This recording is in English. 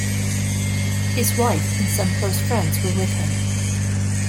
His wife and some close friends were with him.